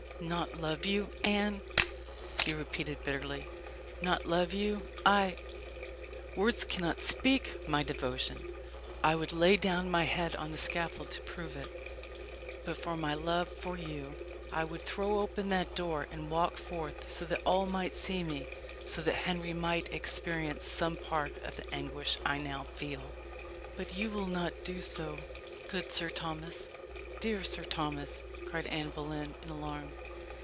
"Not love you, Anne!" he repeated bitterly; "not love you I Words cannot speak my devotion. I would lay down my head on the scaffold to prove it. But for my love for you, I would throw open that door, and walk forth so that all might see me so that Henry might experience some part of the anguish I now feel." "But you will not do so, good Sir Thomas dear Sir Thomas," cried Anne Boleyn, in alarm.